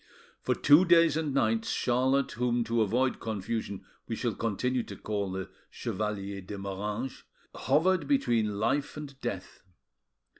For two days and nights, Charlotte, whom to avoid confusion we shall continue to call the Chevalier de Moranges, hovered between life and death.